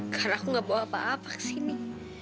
karena aku gak bawa apa apa ke sini